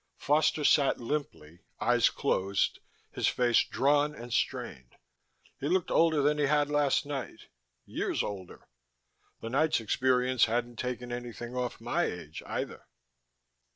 Foster sat limply, eyes closed, his face drawn and strained. He looked older than he had last night years older. The night's experiences hadn't taken anything off my age, either.